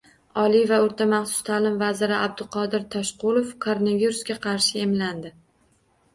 Oliy va o‘rta maxsus ta’lim vaziri Abduqodir Toshqulov koronavirusga qarshi emlandi